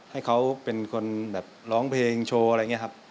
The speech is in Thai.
ให้เขาเป็นคนแบบร้องเพลงโชว์อะไรอย่างนี้ครับ